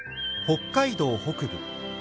北海道北部